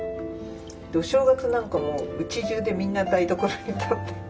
お正月なんかもうちじゅうでみんな台所に立って。